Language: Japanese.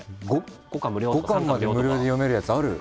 ５巻まで無料で読めるやつある！